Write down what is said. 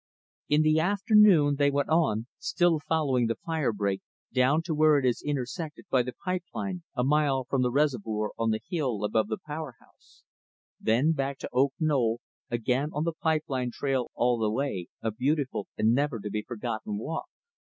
In the afternoon, they went on, still following the fire break, down to where it is intersected by the pipe line a mile from the reservoir on the hill above the power house; then back to Oak Knoll, again on the pipe line trail all the way a beautiful and never to be forgotten walk.